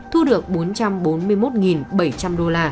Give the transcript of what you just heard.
thu được bốn trăm bốn mươi một bảy trăm linh đô la